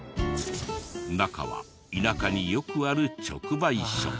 中は田舎によくある直売所。